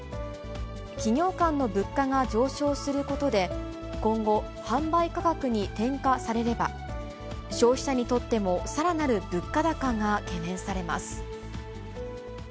企業間の物価が上昇することで、今後、販売価格に転嫁されれば、消費者にとってもさらなる物価高が懸念されます。